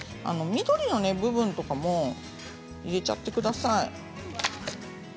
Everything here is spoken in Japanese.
緑の部分とかも入れちゃってください。